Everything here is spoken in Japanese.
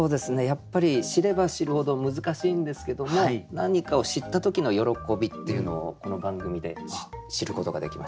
やっぱり知れば知るほど難しいんですけども何かを知った時の喜びっていうのをこの番組で知ることができました。